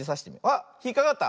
あっひっかかった。